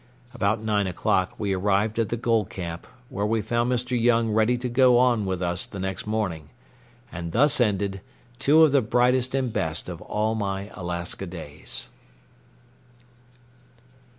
About nine o'clock we arrived at the gold camp, where we found Mr. Young ready to go on with us the next morning, and thus ended two of the brightest and best of all my Alaska days.